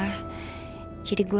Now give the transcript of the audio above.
jadi gue harus mencari dia sama bella